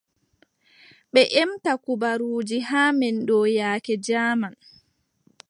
Ɓe ƴemta kubaruuji haa men ɗo yaake jaaman.